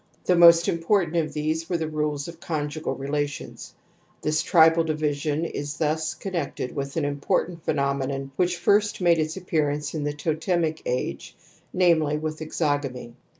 The most important of these were the rules of conjugal relations. This tribal di vision is thus connected with an important phe nomenon which first made its appearance in the totemic age, namely with exogamy."